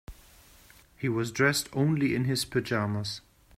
He was dressed only in his pajamas.